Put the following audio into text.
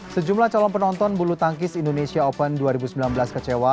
sejumlah calon penonton bulu tangkis indonesia open dua ribu sembilan belas kecewa